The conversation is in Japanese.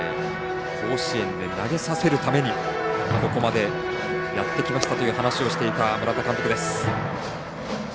甲子園で投げさせるためにここまでやってきましたという話をしていた村田監督です。